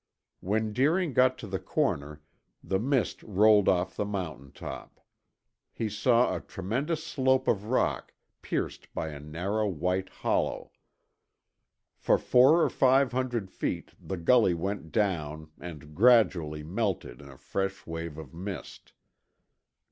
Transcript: When Deering got to the corner, the mist rolled off the mountain top. He saw a tremendous slope of rock, pierced by a narrow white hollow. For four or five hundred feet the gully went down and gradually melted in a fresh wave of mist.